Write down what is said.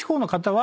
は